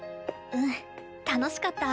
うん楽しかった。